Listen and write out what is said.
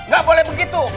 gak boleh begitu